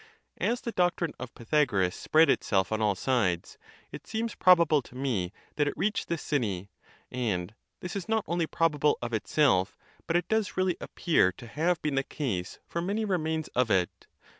As the doctrine of Pythagoras spread itself on all sides, it seems probable to me that it reached this city; and this is not only prob able of itself, but it does really appear to have been the case from many remains of it.